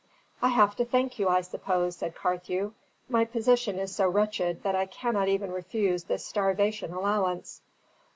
"I have to thank you, I suppose," said Carthew. "My position is so wretched that I cannot even refuse this starvation allowance."